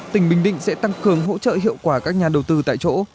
tỉnh bình định sẽ tăng cường hỗ trợ hiệu quả các nhà đầu tư tại chỗ